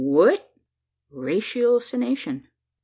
"What?" "Ratiocination."